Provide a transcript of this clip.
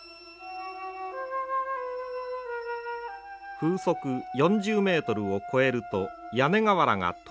風速４０メートルを超えると屋根瓦が飛びます。